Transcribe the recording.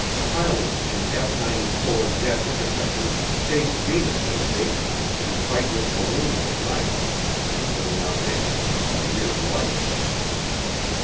Pilots in F 94 jet interceptors chase Venus in the daytime and fight with balloons at night, and people in Los Angeles see weird lights.